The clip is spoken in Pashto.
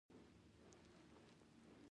اقتصاد د منځني حد په معنا هم دی.